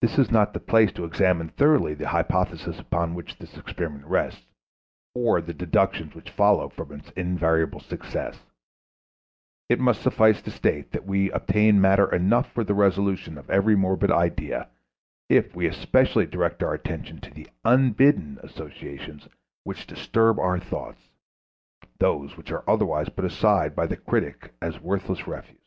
This is not the place to examine thoroughly the hypothesis upon which this experiment rests, or the deductions which follow from its invariable success. It must suffice to state that we obtain matter enough for the resolution of every morbid idea if we especially direct our attention to the unbidden associations which disturb our thoughts those which are otherwise put aside by the critic as worthless refuse.